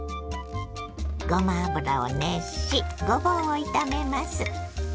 ごま油を熱しごぼうを炒めます。